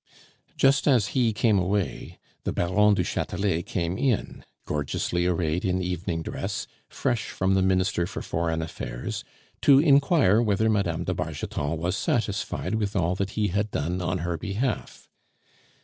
Just as he came away the Baron du Chatelet came in, gorgeously arrayed in evening dress, fresh from the Minister for Foreign Affairs, to inquire whether Mme. de Bargeton was satisfied with all that he had done on her behalf.